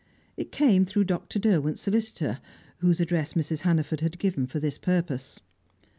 It came through Dr. Derwent's solicitor, whose address Mrs. Hannaford had given for this purpose.